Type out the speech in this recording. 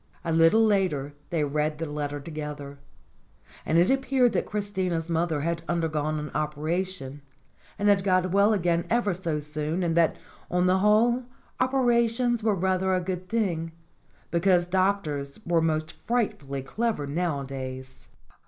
A little later they read the letter together. And it appeared that Christina's mother had undergone an operation, and had got well again ever so soon; and that, on the whole, operations were rather a good thing, because doctors were most frightfully clever nowadays.